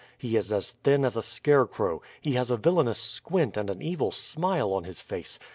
He is as thin as a scarecrow he has a villainous squint and an evil smile on his face.